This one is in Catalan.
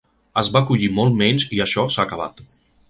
Es va acollir molt menys i això s’ha acabat.